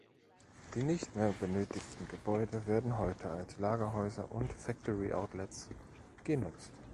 Die nicht mehr benötigten Gebäude werden heute als Lagerhäuser und „Factory Outlets“ genutzt.